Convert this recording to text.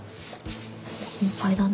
心配だな。